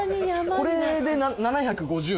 これで７５０円っすか？